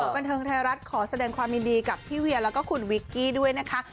บันเทิงไทยรัฐขอแสดงความยินดีกับพี่เวียแล้วก็คุณวิกกี้ด้วยนะคะ